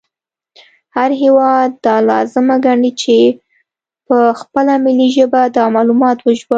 هر هیواد دا لازمه ګڼي چې په خپله ملي ژبه دا معلومات وژباړي